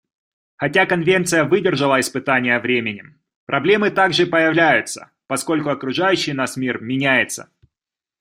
Хотя Конвенция выдержала испытание временем, проблемы тоже появляются, поскольку окружающий нас мир меняется.